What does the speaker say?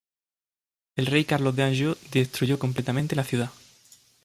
El rey Carlos de Anjou destruyó completamente la ciudad.